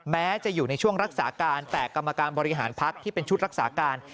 แม้จะอยู่ในช่วงรักษาการแต่กรรมการบริหารพักที่เป็นชุดรักษาการ